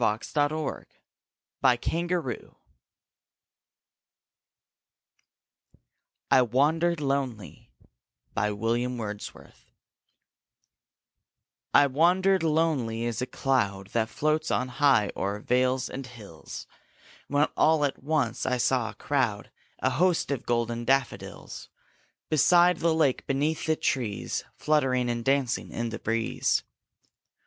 Thomas Nashe RAINBOW GOLD 'I WANDERED LONELY' I WANDERED lonely as a cloud That floats on high o'er vales and hills, When all at once I saw a crowd, A host, of golden daffodils; Beside the lake, beneath the trees, Fluttering and dancing in the breeze.